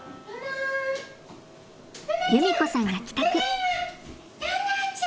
優美子さんが帰宅。